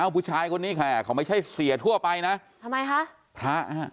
พูดชายคนนี้ไม่ใช่เสียทั่วไปนะทำไมคะพระ